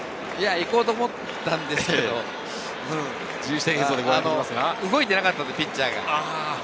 行こうと思ったんですけれど、動いてなかったんですピッチャーが。